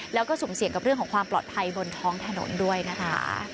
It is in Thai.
แล้วก็สุ่มเสี่ยงกับเรื่องของความปลอดภัยบนท้องถนนด้วยนะคะ